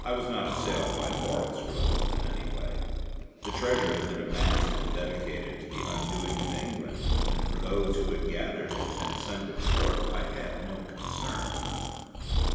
I was not assailed by moral scruples in any way. The treasure had been amassed and dedicated to the undoing of England; and for those who had gathered it and sent it forth I had no concern.